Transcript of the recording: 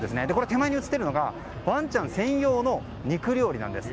手前に映っているのがワンちゃん専用の肉料理なんです。